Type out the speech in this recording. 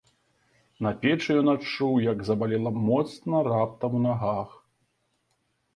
На печы ён адчуў, як забалела моцна раптам у нагах.